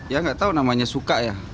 ya gak tau namanya suka ya